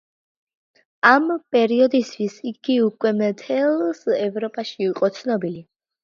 ამ პერიოდისთვის იგი უკვე მთელს ევროპაში იყო ცნობილი.